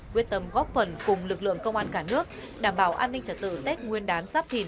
quyết tâm góp phần cùng lực lượng công an cả nước đảm bảo an ninh trả tự tết nguyên đán giáp thìn hai nghìn hai mươi bốn